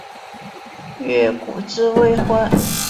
越谷治未婚。